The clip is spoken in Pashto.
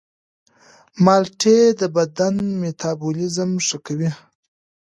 مالټې د بدن میتابولیزم ښه کوي.